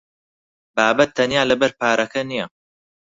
بابەت تەنیا لەبەر پارەکە نییە.